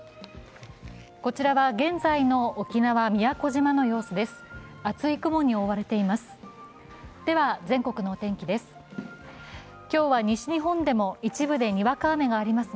こちらは現在の沖縄・宮古島の様子です。